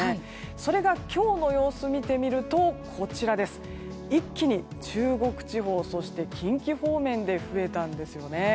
それが、今日の様子を見てみると一気に中国地方そして近畿方面で増えたんですよね。